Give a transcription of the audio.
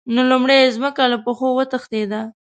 نو لومړی یې ځمکه له پښو وتښتېده.